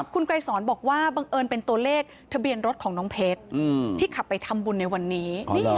คุณไกรสอนบอกว่าบังเอิญเป็นตัวเลขทะเบียนรถของน้องเพชรที่ขับไปทำบุญในวันนี้